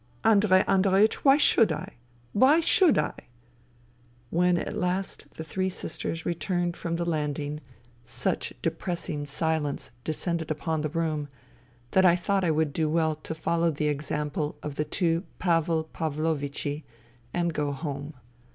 ... Andrei Andreiech, why should I ? Why should I ?..." When at last the three sisters returned from the landing, such depressing silence descended upon the room that I thought I would do well to follow 52 FUTILITY the example of the two P^vel Pavlovichi and go home.